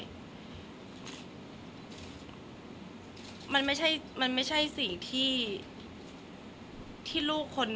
แต่ขวัญไม่สามารถสวมเขาให้แม่ขวัญและคนในครอบครัวขวัญได้